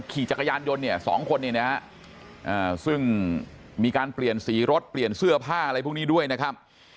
ขี่จักรยานยนต์เนี่ย๒คนเนี่ยนะฮะซึ่งมีการเปลี่ยนสีรถเปลี่ยนเสื้อผ้าอะไรพวกนี้ด้วยนะครับ